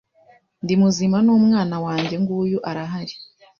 Ndi muzima n' umwana wanjye nguyu arahari